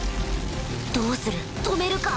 どうする止めるか？